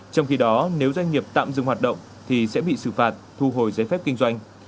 trong khi đó nếu doanh nghiệp tạm dừng hoạt động thì sẽ bị xử phạt thu hồi giấy phép kinh doanh